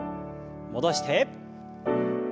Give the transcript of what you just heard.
戻して。